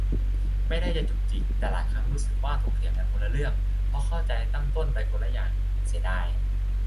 ไม่ได้จะจุกจิก แต่หลายครั้งรู้สึกว่าถกเถียงกันคนละเรื่อง เพราะเข้าใจตั้งต้นไปคนละอย่าง เสียดาย